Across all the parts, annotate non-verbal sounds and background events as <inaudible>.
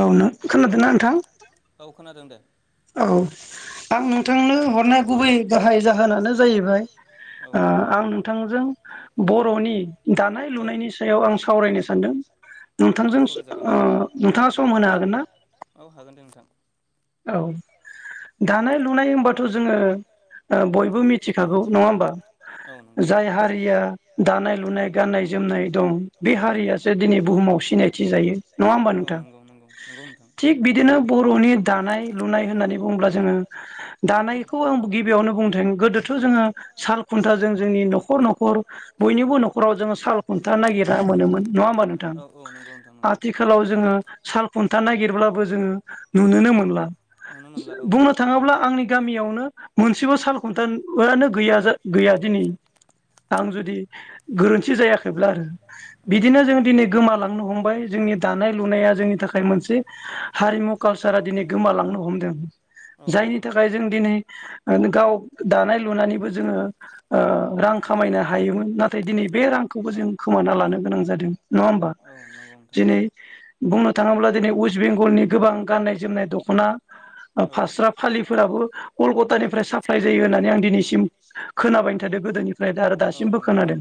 औ नों खोनादोंना नोंथां औ आं नोंथांनो हरनाय गुबै गाहाय जाहोनानो जाहैबाय आं नोंथांजों बर'नि दानाय लुनायनि सायाव आं सावरायनो सानदों नोंथांजों ओ नोंथाङा सम होनो हागोन ना औ दानाय लुनाय होनबाथ' जोङो ओ बयबो मिथि मिथिखागौ नङा होमबा जाय हारिया दानाय लुनाय गान्नाय जोमनाय दं बे हारियासो दिनै बुहुमाव सिनायथि जायो नङा होमबा नोंथां थिग बिदिनो बर'नि। दानाय लुनाय होननानै बुङोब्ला जोङो दानायखौ आं गिबियावनो बुंथों गोदोथ' जोङो साल खुन्थाजों जोंनि न'खर न'खर बयनिबो न'खराव जोङो साल खुन्था नागिरना मोनोमोन नङा होमबा नोंथां आथिखालाव जोङो साल खुन्था नागिरब्लाबो जोङो नु <unintelligible> बुंनो थाङोब्ला आंनि गामियावनो मोन सेबो साल खुन्था <unintelligible> गैया जो गैया दिनै आं जुदि गोरोन्थ थि जायाखैब्ला आरो बिदिनो जों दिनै गोमालांनो हमबाय जोंनि दानाय लुनाया जोंनि थाखाय मोनसे हारिमु कालसारा दिनै गोमालांनो हमदों जायनि थाखाय जों दिनै ओ <unintelligible> गाव दानाय लुनानैबो जोङो ओ रां खामायनो हायोमोन नाथाय दिनै बे रांख खौबो जों खोमाना लानो गोनां जादों नङा होमबा दिनै बुंनो थाङोब्ला दिनै वेस्ट बेंगलनि गोबां गाननाय जोमनाय दख ख'ना ओ फास्रा फालिफोराबो कलकतानिफ्राय साफ्लाय जायो होननानै आं दिनैसिम खोनाबायनो थादों गोदोनिफ्राय आरो दासिमबो खोनादों।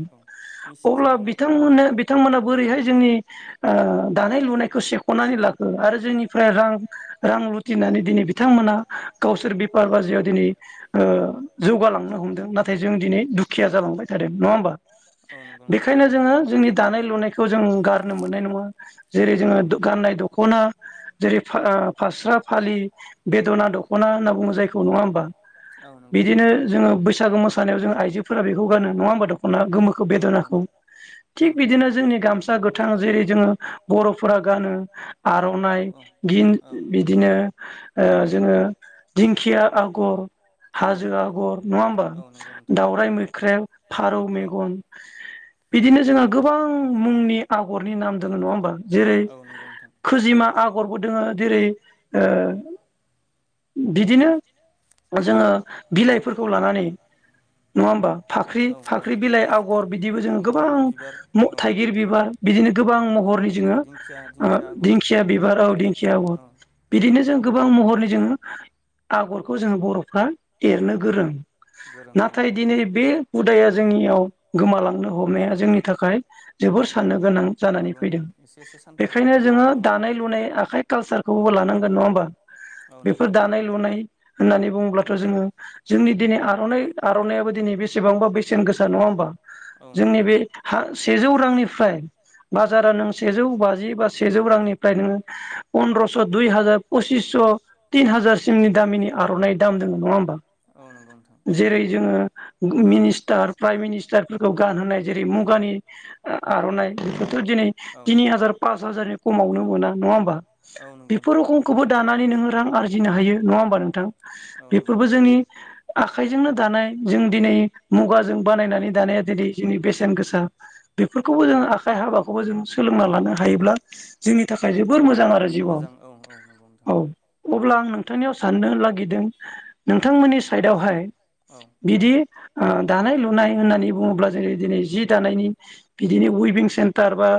अब्ला बिथांमोननो बिथांमोना बोरैहाय जोंनि ओ दानाय लुनायखौ सेख'नानै लाखो आरो जोंनिफ्राय रां रां लुथिनानै दिनै बिथांमोना गावसोर बेफार बाजियाव दिनै ओ जौगालांनो हमदों नाथाय जों दिनै दुखिया जालांबाय थादों नङा होमबा बेखायनो जोङो जोंनि दानाय लुनायखौ जों गारनो मोननाय नङा जेरै जोङो दो गाननाय दख'ना जेरै फा ओ फास्रा फालि बेद'ना दख'ना होनना बुङो जायखौ नङा होमबा बिदिनो जोङो बैसागु मोसानायाव जों आइजोफोरा बेखौ गानो नङा होमबा दख'ना गोमो खौ बेदनाखौ थिग बिदिनो जोंनि गामसा गोथां जेरै जोङो बर'फोरा गानो आर'नाइ गिन <unintelligible> बिदिनो ओ जोङो दिंखिया आगर हाजो आगर नङा होमबा दावराइ मैख्रे, फारौ मेगन <unintelligible> बिदिनो जोंहा गोबां मुंनि आग <unintelligible> मानि नाम दोङो नङा होमबा जेरै खोजिमा आगरबो दोङो जेरै ओ बिदिनो जोङो बिलाइफोरखौ लानानै नङा होमबा फाख्रि फाख्रि बिलाइ आगर बिदिबो जोङो गोबां थाइगिर बिबार बिदिनो गोबां महरनि जोङो दिंखिया बिबार औ दिख <unintelligible> बिदिनो जों गोबां महरनि जोङो आगरखौ जोङो बर'फ्रा ऐरनो गोरों नाथाय दिनै बे हुदाया जोंनियाव गोमालांनो हमनाया जोंनि थाखाय जोबोर साननो गोनां जानानै फैदों बेखायनो जोङो दानाय लुनाय आखाइ <unintelligible> खौबो नङा होमबा बेफोर दानाय लुनाय होननानै बुङोब्लाथ' जोङो जोंनि दिनै आर'नाइ आर'नायिबो दिनै बेसेबांबा बेसेन गोसा नङा होमबा जोंनि बे‌ हा सेजौ रांनिफ्राय बाजारा नों सेजौ बाजि बा सेजौ रांनिफ्राय नोंङो पन्द्रस' दुइ हाजार पसिसस' तिन हाजारसिमनि दामिनि आर'नाइ दाम दङ नङा होमबा जेरै जोङो मिनि तार प्राय मिनिस्थार फोरखौ गान होनाय जेरै मुगानि ओ आर नाय बेफोर थोर दिनै तिनि हाजार पास हाजारनि खमावनो मोना नङा होमबा बेफोर रखमखौबो दानानै नोंङो रां आर्जि नो हायो नङा होमबा नोंथां बेफोरबो जोंनि आखाइजोंनो दानाय जों दिनै मुगाजों बानायनानै दानाया दिनि जोंनि बेसेन गोसा बेफोरखौबो जों आखाइ हाबाखौबो जों सोलोंना लानो हायोब्ला जोंनि थाखाय जोबोर मोजां आरो मोजां औ औ नोंगौ नोंथां औ नोंथांनियाव साननो ला गिदों नोंथांमोननि साइडाआवहाय बिदि ओ दानाय लुनाय होननानै बुंङोब्ला जेरै दिनै जि दानायनि बिदिनो उइभिं सेन्टार बा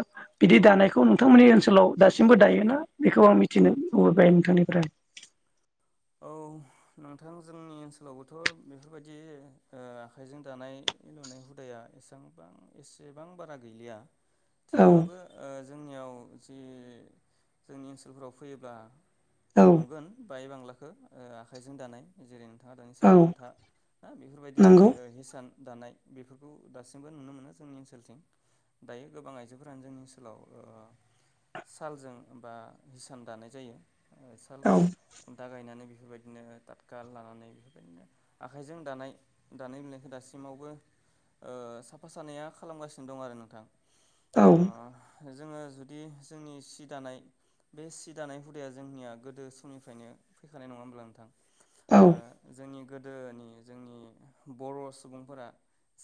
बिदि दानायखौ नोंथांमोननि ओनसोलाव दासिमबो दायोना बेखौ आं मिथिनो लुबैबाय नोंथांनिफ्राय नोंथां जोंनि ओनसोलावबोथ' बेफोरबायदि ओ आखाइजों दानाय लुनाय हुदाया एसांबां एसेबां बारा गैलिया थेवब्लाबो ओ जोंनियाव जि जोंनि ओनसोलफोराव फैयोब्ला नुगोन बाय बांला खो ओ आखाइजों दानाय जेरै थाङा दाङि साल खुन्था ना बेफोरबायदि ओ हिसान दानाय बेफोरखौ दासिमबो नुनो मोनो जोंनि ओनसोलथिं दायो गोबां आइजो फोरानो जोंनि ओनसोलाव सालजों बा हिसान दानाय जायो ओ साल खुन्था गायनानै बे बेफोरबायदिनो थातकाल लानानै बेफोरबायदिनो आखाइजों दानाय दानाय लुनाइखो दासिमावबो ओ साफा सानैया खालामगासिनो दं आरो नोंथां औ जोंङो जुदि जोंनि सि दानाय बे सि दानाय हुदाया जोंनिया गोदो समनिफ्रायनो फैखानाय नङा होमब्ला नोंथां ओ जोंनि गोदोनि जोंनि बर' सुबुंफोरा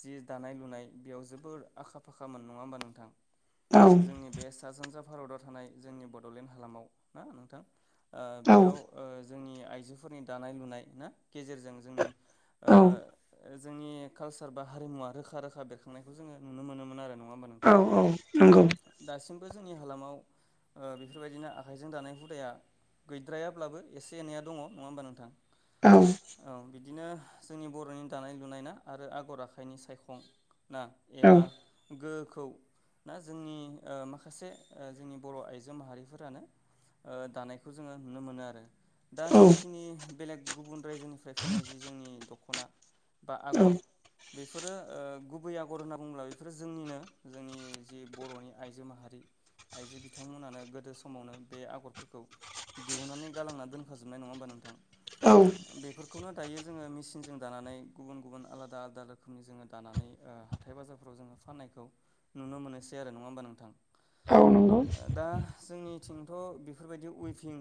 जि दानाय लुनाय बेयाव जोबोर आखा फाखा मोन नङा होमबा नोंथां जोंनि बे सा सानजा भारतआव थानाय जोंनि बड'लेण्ड हालामाव ना नोंथां ओ बेयाव ओ जोंनि आइजोफोरनि दानाय लुनाय ना गेजेरजों जोंनि ओ जोंनि कालचार बा हारिमुवा रोखा रोखा बेरखांनायखौ जोंङो नुनो मोनोमोन आरो न नङ होमबा नोंथां औ नंगौ। आंनि हालामाव ओ बेफोरबायदिनो आखाइजों दानाय हुदाया गैद्रायाब्लाबो एसे एनैआ दङ नङा होमबा नोंथां? औ बिदिनो जोंनि बर'नि दानाय लुनाय ना आरो आगर आखाइनि सायखं ना एबा गो औ। ना जोंनि ओ माखासे ओ जोंनि बर' आइजो माहारिफोरानो ओ दानायखौ जोङो नुनो मोनो आरो। दा जिखिनि बेलेग गुबुन रायजोनिफ्राय फैनाय जि जोंनि दख'ना बा आगर बेफोरो ओ गुबै आगर होनना बुंङोब्ला बेफोरो जोंनिनो जोंनि जि बर'नि आइजो माहारि आइजो बिथांमोनानो गोदो समावनो बे आगरफोरखौ दिहुननानै गालांना दोनखाजोबनाय नङा होमबा नोंथां? औ। खौनो दायो जोङो मेसिनजों दानानै गुबुन- गुबुन आलादा- आलादा रोखोमनि जोङो दानानै ओ हाथाय बाजारफ्राव जोङो फाननायखौ नुनो मोनोसै आरो नङा होमबा नोंथां? दा जोंनि थिंथ' बेफोरबायदि वेभिं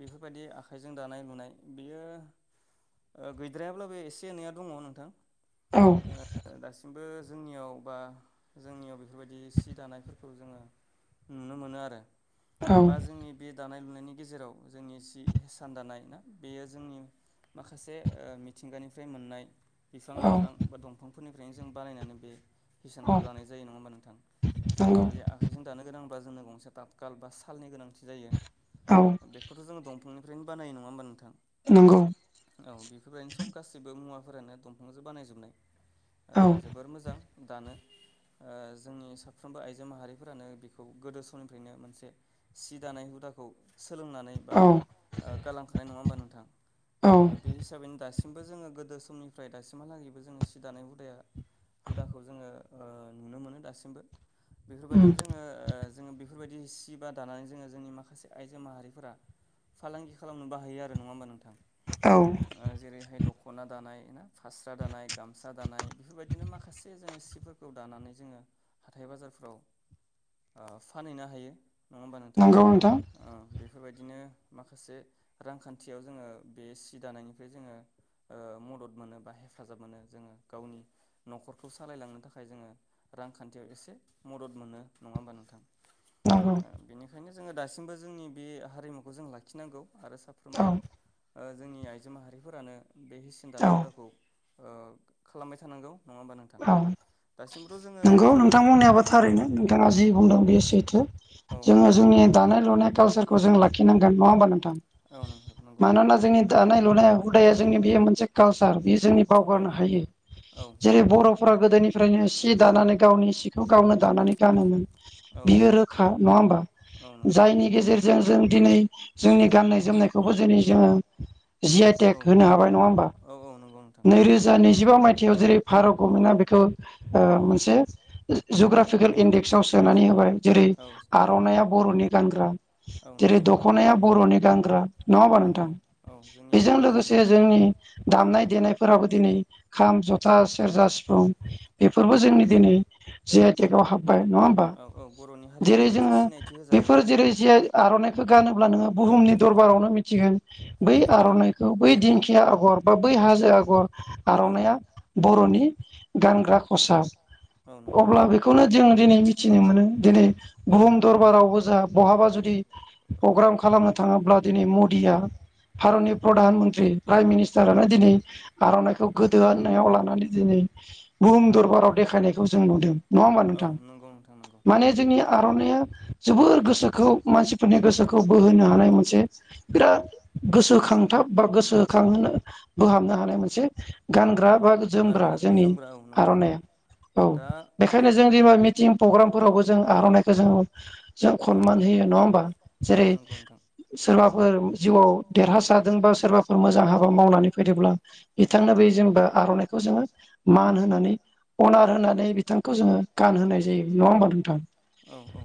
बेफोरबायदि आखाइजों दानाय- लुनाय बेयो ओ गैद्रायाब्लाबो एसे एनैया दङ नोंथां। औ। बो जोंनियाव बा जोंनियाव बेफोरबायदि सि दानायफोरखौ जोङो नुनो मोनो आरो। बा जोंनि बे दानाय लुनायनि गेजेराव जोंनि जि हिसान दानाय ना बेयो जोंनि माखासे ओ मिथिंगानिफ्राय मोननाय बिफां -लाइफां बा दंफां फोरनिफ्रायनो जों बानायनानै बे हिसानखौ दानाय जायो नङा होमबा नोंथां जोङो जुदि आखाइजों दानो गोनांब्ला जोंनो गंसे ताबखाल बा सालनि गोनांथि जायो बेखौथ' जोङो दंफांनिफ्रायनो बानायो नङा होमबा नोंथां? नंगौ। औ बेफोरबायनो सब गासैबो मुवाफोरानो दंफांजों बानायजोबनाय ओ जोबोर मोजां दानो। ओ जोंनि साफ्रोमबो आइजो माहारिफोरानो बेखौ गोदो समनिफ्रायनो मोनसे सि दानाय हुदाखौ सोलोंनानै बा ओ गालांखानाय नङा होमबा नोंथां? ओ बे हिसाबैनो दासिमबो जोङो गोदो समनिफ्राय दासिमहालागैबो जोङो सि दानाय हुदाया हुदाखौ जोङो ओ नुनो मोनो दासिमबो बेफोरबायदिनो जोङो जोङो बेफोरबायदि सि बा दानानै जोङो जोंनि माखासे आइजो माहारिफोरा फालांगि खालामनो बाहायो आरो नङा होमबा नोंथां? औ। जेरैहाय दख'ना दानाय, ना फास्रा दानाय गामसा दानाय बेफोरबायदिनो माखासे जोङो सिफोरखौ दानानै जोङो हाथाय बाजारफ्राव ओ फानहैनो हायो। नङा होमबा नोंथां ओ बेफोरबायदिनो माखासे रांखान्थियाव जोङो बे सि दानायनिफ्राय जोङो ओ मदद मोनो बा हेफाजाब मोनो जोङो गावनि न'खरखौ सालायलांनो थाखाय। थाखाय जोङो रांखान्थियाव एसे मदद मोनो नङा होमबा नोंथां? बेनिखायनो जोङो दासिमबो जोंनि बे हारिमुखौ जों लाखिनांगौ आरो साफ्रोमबो ओ जोंनि आइजो माहारिफोरानो बे हिसिन दानाय हुदाखौ ओ खालामबाय थानांगौ। नङा होमबा नोंथां। नंगौ नोंथां बुंनायाबा थारैनो नोंथाङा जि बुंदों बेयो सैथो जोङो जोंनि दानाय लुनाय कालसारखौ जों लाखिनांगोन नङा होमबा नों थां मानोना जोंनि दानाय लुनाय हुदाया जोंनि बेयो मोनसे कालसार बे जोंनि बावगारनो हायो जेरै बर' गोदोनिफ्रायनो सि दानानै गावनि सिखौ गावनो दानानै नै गानोमोन। बियो रोखा नङा होमबा जायनि गेजेरजों जों दिनै जोंनि गाननाय जोमनायखौबो दिनै जोङो जि आइ टेक होनो हाबाय नङा होमबा? नैरोजा नैजिबा मायथयाव जेरै भारत गभमेनटआ बेखौ ओ मोनसे जग्राफिकेल इनडेक्सआव सोनानै होबाय जेरै आर'नाइया बर'नि गानग्रा जेरै दख'नाया बर'नि गानग्रा नङा हबा नोंथां? बेजों लोगोसे जोंनि दामनाय देनायफोराबो दिनै खाम, जथा सेरजा, सिफुं बेफोरबो जोंनि दिनै जि आइ टेक आव हाबबाय नङा होमबा? जेरै जोङो बेफोर जेरै जि आइ आर'नाइखौ गानोब्ला नोङो बुहुमनि दरबारावनो मिथिगोन। बै आर'नाइखौ बै दिंखिया आगर बा बै हाजो आगर आर'नाइआ बर'नि गानग्रा कसाब अब्ला बेखौनो जों दिनै मिथिनो मोनो दिनै बुहुम दरबाराव खौ जो बहाबा जुदि प्रग्राम खालामनो थाङोब्ला दिनै मदिया भारतनि प्रधान मन्त्रि प्राइम मिनिस जा दिनै आर'नाइखौ गोदो होननायाव ला नानै बुहुमरबाराव देखायनाय खौ जों नुदों नङा होमबा नोंथां? माने जोंनि आर'नाइया जोबोर गोसोखौ मानसिफोरनि गोसोखौ बोहोनो हानाय मोनसे बिराद गोसोखांथाब बा गोसोखांहोनो बोहाबनो हानाय मोनसे गानग्रा बा जोमग्रा जोंनि आर'नाया औ बेखायनो जों <unintelligible> मिटिं प्रग्रामफोरावबो जों आर'नाइखौ जोङो जों खनमान होयो नङा होमबा? जेरै सोरबाफोर जिउआव देरहासदोंबा सोरबाफोर मोजां हाबा मावनानै फैदोब्ला बिथांनोबो जेनबा आर'नाइ मान होनानै अनार होनानै बिथांखौ जोङो गान होनाय जायो नङा होमबा नोंथां?